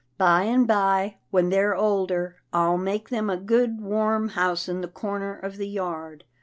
By and by, when they're older, I'll make them a good, warm house in the corner of the yard.